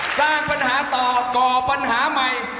สร้างปัญหาต่อก่อปัญหาใหม่